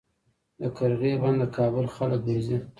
د قرغې بند د کابل خلک ورځي